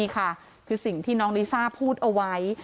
ค่ะคือสิ่งที่น้องลิซ่าพูดเอาไว้